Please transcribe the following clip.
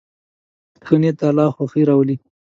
ښه نیت د الله خوښي راولي.